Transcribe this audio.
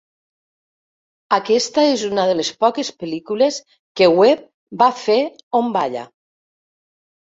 Aquesta és una de les poques pel·lícules que Webb va fer on balla.